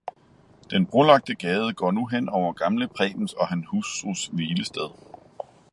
Den brolagte gade går nu hen over gamle prebens og hans hustrus hvilested